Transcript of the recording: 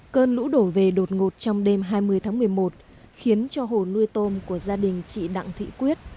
cơn lũ đổ về đột ngột trong đêm hai mươi tháng một mươi một khiến cho hồ nuôi tôm của gia đình chị đặng thị quyết